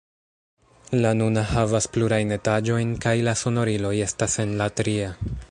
La nuna havas plurajn etaĝojn kaj la sonoriloj estas en la tria.